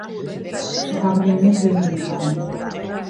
Ik haw gjin mis wurd oer dy sein.